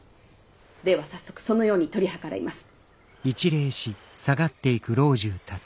では早速そのように取り計らいます。